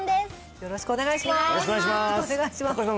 よろしくお願いします高島さん